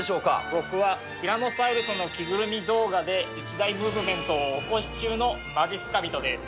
僕はティラノサウルスの着ぐるみ動画で、一大ムーブメントを起こし中のまじっすか人です。